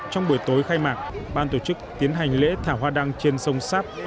trong buổi tối khai mạc ban tổ chức tiến hành lễ thả hoa đăng trên sông sáp